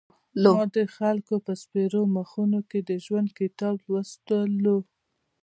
ما د خلکو په سپېرو مخونو کې د ژوند کتاب لوستلو.